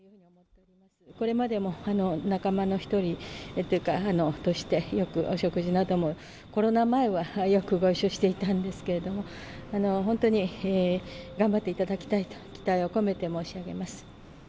これまでも仲間の一人というか、として、よくお食事なども、コロナ前はよくご一緒していたんですけれども、本当に頑張っていただきたいと、期待を込めて申し上げます。